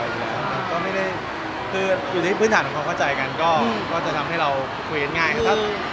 ก็เคยคุยกันบ่อยแล้วก็ไม่ได้คืออยู่ในพื้นฐานของเข้าใจกันก็จะทำให้เราคุยง่ายครับ